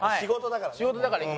仕事だからね。